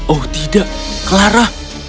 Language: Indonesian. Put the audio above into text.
oh tidak clara